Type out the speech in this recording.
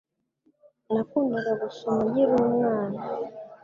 Nakundaga gusoma nkiri umwana.